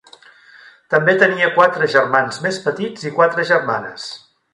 També tenia quatre germans més petits i quatre germanes.